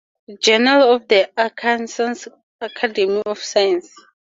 Journal of the Arkansas Academy of Science.